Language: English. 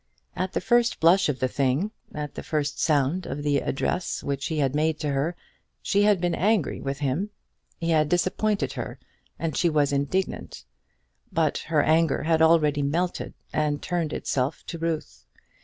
At the first blush of the thing, at the first sound of the address which he had made to her, she had been angry with him. He had disappointed her, and she was indignant. But her anger had already melted and turned itself to ruth.